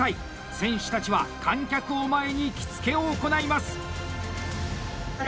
選手たちは観客を前に着付を行います！